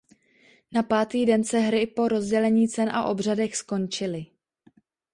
Na pátý den se hry po rozdělení cen a obřadech skončily.